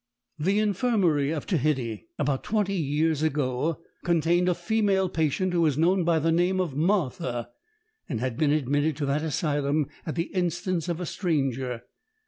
"The infirmary of Tehiddy, about twenty years ago, contained a female patient who was known by the name of Martha, and had been admitted to that asylum at the instance of a stranger.